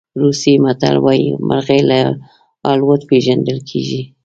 روسي متل وایي مرغۍ له الوت پېژندل کېږي.